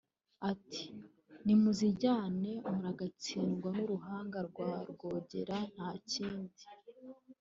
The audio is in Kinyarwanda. ati “Nimuzijyane muragatsindwa n’uruhanga rwa Rwogera nta kindi”